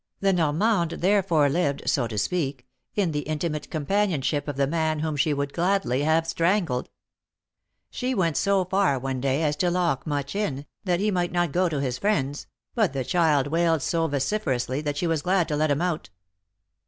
The Normande therefore lived, so to speak, in the intimate companionship of the man whom she would gladly have strangled. She went so far one day, as to lock Much in, that he might not go to his friend's, but the child wailed so vociferously, that she was glad to let him out.